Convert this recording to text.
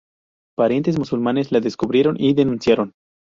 Parientes musulmanes la descubrieron y denunciaron.